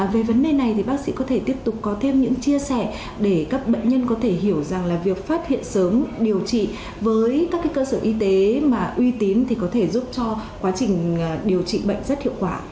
về vấn đề này thì bác sĩ có thể tiếp tục có thêm những chia sẻ để các bệnh nhân có thể hiểu rằng là việc phát hiện sớm điều trị với các cơ sở y tế mà uy tín thì có thể giúp cho quá trình điều trị bệnh rất hiệu quả